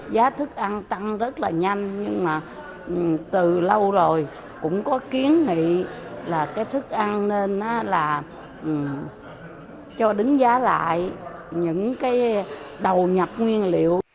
giá thức ăn tăng rất là nhanh nhưng mà từ lâu rồi cũng có kiến nghị là cái thức ăn nên là cho đánh giá lại những cái đầu nhập nguyên liệu